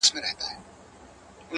• پټ په لار کي د ملیار یو ګوندي راسي ,